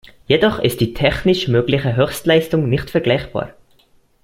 Jedoch ist die technisch mögliche Höchstleistung nicht vergleichbar.